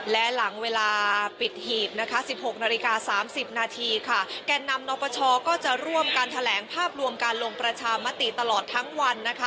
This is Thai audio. และหลังเวลาปิดหีบ๑๖๓๐แก่นำนอปชจะร่วมการแถลงภาพรวมการลงประชามติตลอดทั้งวัน